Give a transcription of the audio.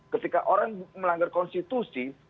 ketika orang melanggar konstitusi